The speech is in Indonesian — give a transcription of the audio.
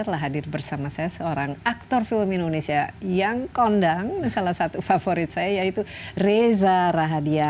telah hadir bersama saya seorang aktor film indonesia yang kondang salah satu favorit saya yaitu reza rahadian